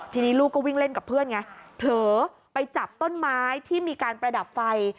ทีนี้ลูกก็วิ่งเล่นกับเพื่อนไงเผลอไปจับต้นไม้ที่มีการประดับไฟ